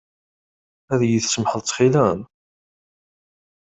Ad iyi-tsamḥeḍ ttxil-m?